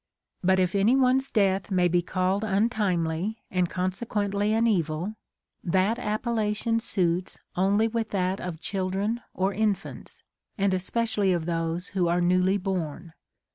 But if any one's death may be called untimely, and consequently an evil, that appellation suits only with that of children and infants, and especially of those A\ho are newly born.